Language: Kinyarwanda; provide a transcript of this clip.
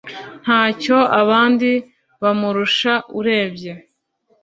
ntacyo abandi bamurusha urebye